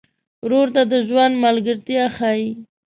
ورور ته د ژوند ملګرتیا ښيي.